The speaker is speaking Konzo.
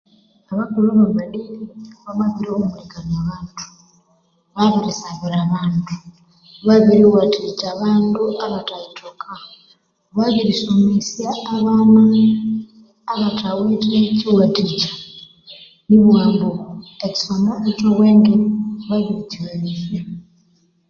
Abakulhu ba madini bamabirihumulikania abandu babirisabira abandu babiriwathikya abandu abatheyithoka babirisomesya abana abathawithe kyiwathikya nibughambu ekyisomo ekyo bwenge babirikyighalihya